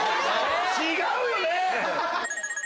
違うよね